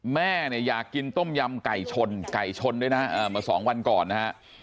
แม่เนี่ยอยากกินต้มยำไก่ชนไก่ชนด้วยนะเมื่อสองวันก่อนนะฮะ